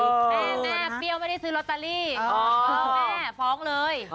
แม่เปรี้ยวไม่ได้ซื้อลอตตาลีแม่ฟ้องเลย